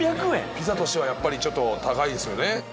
ピザとしてはやっぱりちょっと高いですよね